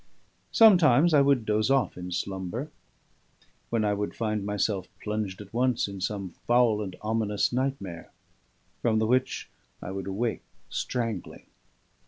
Sometimes I would doze off in slumber, when I would find myself plunged at once in some foul and ominous nightmare, from the which I would awake strangling.